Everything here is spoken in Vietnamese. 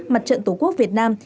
mặt trận tổ quốc việt nam